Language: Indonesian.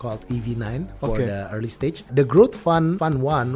fund pembelian pertama pertama dibuat pada tahun dua ribu delapan belas sebagai venture berkumpul